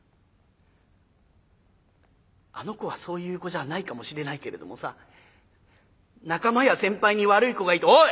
「あの子はそういう子じゃないかもしれないけれどもさ仲間や先輩に悪い子がいて」。